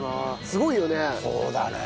すごいよね。